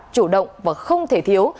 chủ động và không thể thiếu